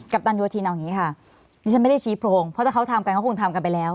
ปตันโยธินเอาอย่างนี้ค่ะดิฉันไม่ได้ชี้โพรงเพราะถ้าเขาทำกันเขาคงทำกันไปแล้ว